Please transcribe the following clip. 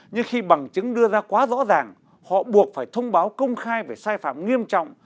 nhưng khi bằng chứng đưa ra quá rõ ràng họ buộc phải thông báo công khai về sai phạm nghiêm trọng